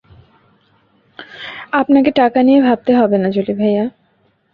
আপনাকে টাকা নিয়ে ভাবতে হবে না, জলি ভাইয়া।